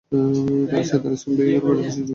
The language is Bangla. সে তার স্কুল থেকে এখানে বেড়াতে এসে নিখোঁজ হয়ে গেছে।